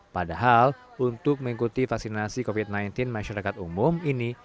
padahal untuk mengikuti vaksinasi covid sembilan belas masyarakat umum ini